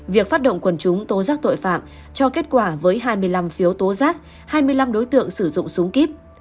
việc phát động quần chúng tố giác tội phạm cho kết quả với hai mươi năm phiếu tố giác hai mươi năm đối tượng sử dụng súng kíp